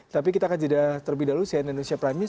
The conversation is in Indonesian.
tapi kita akan cerita terlebih dahulu di sian indonesia prime news